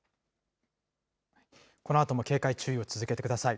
このあとも警戒、注意を続けてください。